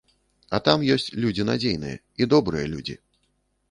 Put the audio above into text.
А там ёсць людзі надзейныя і добрыя людзі.